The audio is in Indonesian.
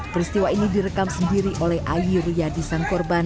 peristiwa ini direkam sendiri oleh ayu riyadisan korban